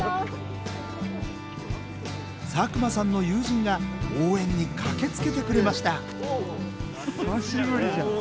佐久間さんの友人が応援に駆けつけてくれました久しぶりじゃん。